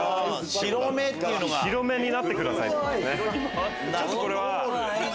「白目になってください」ですね。